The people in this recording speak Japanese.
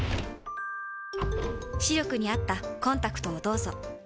視力に合ったコンタクトをどうぞ。